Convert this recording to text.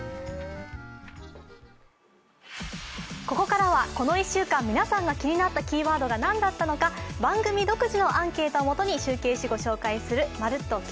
ここからはこの１週間皆さんが気になったワードが何だったのか番組独自のアンケートを基に集計しご紹介する「まるっと！